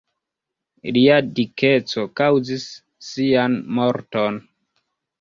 Lia dikeco kaŭzis sian morton.